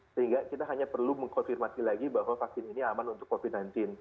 sehingga kita hanya perlu mengkonfirmasi lagi bahwa vaksin ini aman untuk covid sembilan belas